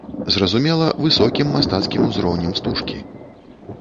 Зразумела, высокім мастацкім узроўнем стужкі.